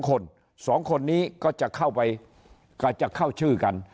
๒คนสองคนนี้ก็จะเข้าชื่อกัน